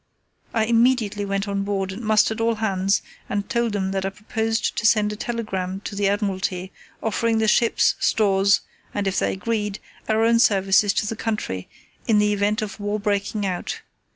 I immediately went on board and mustered all hands and told them that I proposed to send a telegram to the Admiralty offering the ships, stores, and, if they agreed, our own services to the country in the event of war breaking out.